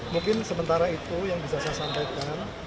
mungkin sementara itu yang bisa saya sampaikan